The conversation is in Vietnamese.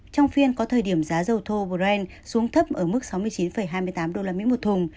trong phiên có thời điểm giá dầu thô brand xuống thấp ở mức sáu mươi chín hai mươi tám usd một thùng